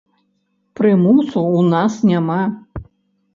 Прымусу ў нас няма.